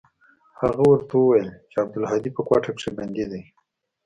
هغه ورته ويلي و چې عبدالهادي په کوټه کښې بندي دى.